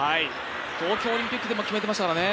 東京オリンピックでも決めてましたからね。